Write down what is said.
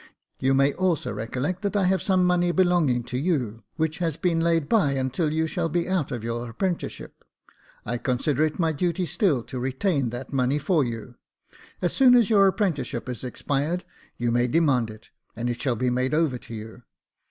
" You may also recollect that I have some money belonging to you, which has been laid by until you shall be out of your apprenticeship. I consider it my duty still to retain that money for you ; as soon as your apprenticeship is expired, you may demand it, and it shall be made over to you.